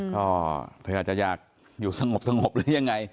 ก็เธออาจจะอยากอยู่สงบหรือยังไง